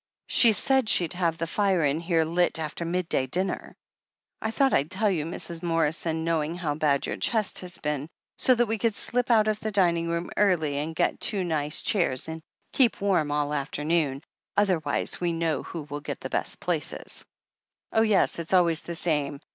"She said she'd have the fire in here lit after midday dinner. I thought I'd tell you, Mrs. Morrison, knowing how bad your chest has been, so that we could slip out of the dining room early, and get two nice chairs and 444 THE HEEL OF ACHILLES keep warm all the afternoon. Otherwise, we know who will get the best places." "Oh, yes, it's always the same.